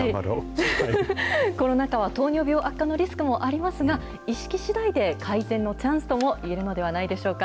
コロナ禍は糖尿病悪化のリスクもありますが、意識しだいで改善のチャンスともいえるのではないでしょうか。